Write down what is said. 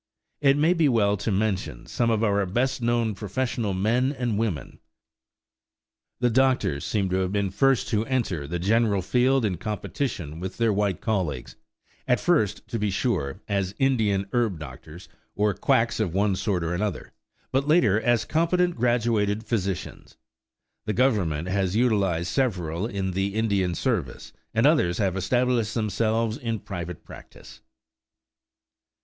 It may be well to mention some of our best known professional men and women. The doctors seem to have been the first to enter the general field in competition with their white colleagues: at first, to be sure, as "Indian herb doctors," or quacks of one sort or another, but later as competent graduated physicians. The Government has utilized several in the Indian service, and others have established themselves in private practice.